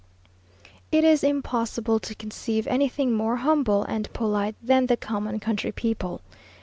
_ It is impossible to conceive anything more humble and polite than the common country people.